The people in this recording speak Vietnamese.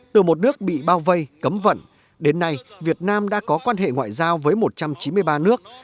từ một nước bị bao vây cấm vận đến nay việt nam đã có quan hệ ngoại giao với một trăm chín mươi ba nước